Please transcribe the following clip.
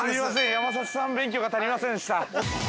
山里さん勉強が足りませんでした。